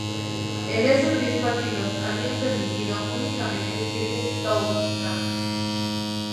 En esos diez partidos, habían permitido únicamente siete touchdowns.